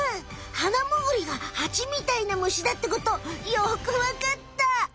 ハナムグリがハチみたいな虫だってことよくわかった！